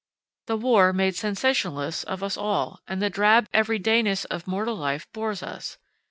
The war made sensationalists of us all, and the drab everydayness of mortal life bores us.